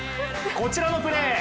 こちらのプレー。